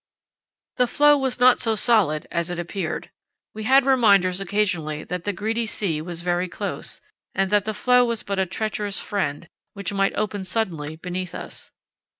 The floe was not so solid as it appeared. We had reminders occasionally that the greedy sea was very close, and that the floe was but a treacherous friend, which might open suddenly beneath us.